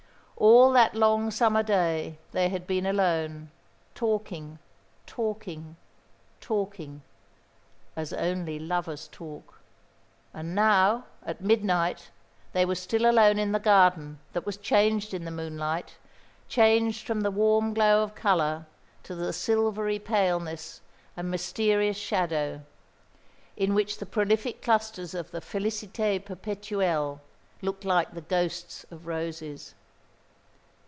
All that long summer day they had been alone, talking, talking, talking, as only lovers talk; and now, at midnight, they were still alone in the garden that was changed in the moonlight, changed from the warm glow of colour to the silvery paleness and mysterious shadow, in which the prolific clusters of the Félicité pérpétuelle looked like the ghosts of roses.